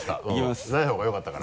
ないほうがよかったから。